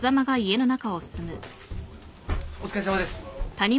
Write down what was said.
お疲れさまです。